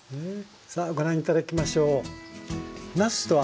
さあご覧頂きましょう。